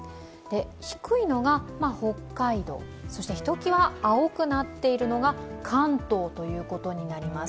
低いのが、北海道、そしてひときわ青くなっているのが関東ということになります。